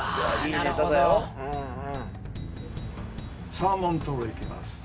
サーモントロいきます。